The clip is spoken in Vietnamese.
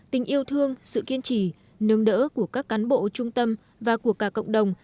tình yêu thương sự kiên trì nương đỡ của các cán bộ trung tâm và của cả cộng đồng